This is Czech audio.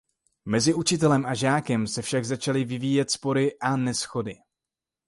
Mezi učitelem a žákem se však začaly vyvíjet spory a neshody.